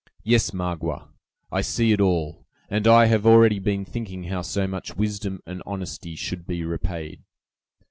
Yes, Magua, I see it all, and I have already been thinking how so much wisdom and honesty should be repaid.